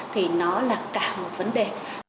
thì nó là cả một vấn đề